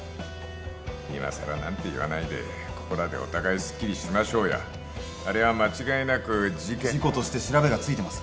今更なんて言わないでここらでお互いすっきりしましょうやあれは間違いなく事件事故として調べがついてます